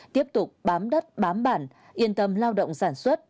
tiếp tục bám đất bám bản yên tâm lao động sản xuất